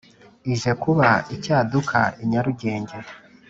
Ije kuba icyaduka i Nyarugenge,